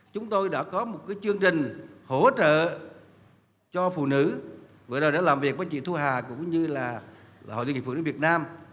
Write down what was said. chúng tôi đã có một chương trình hỗ trợ cho phụ nữ vừa rồi đã làm việc với chị thu hà cũng như là hội liên hiệp phụ nữ việt nam